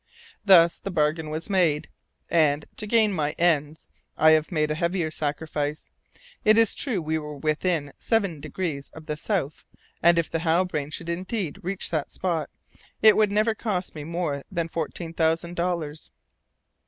Thus the bargain was made, and, to gain my ends, I have made a heavier sacrifice. It is true we were within seven degrees of the South Pole, and, if the Halbrane should indeed reach that spot, it would never cost me more than fourteen thousand dollars.